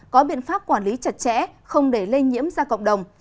có biện pháp quản lý chặt chẽ không để lây nhiễm ra cộng đồng